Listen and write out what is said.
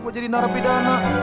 mau jadi narapidana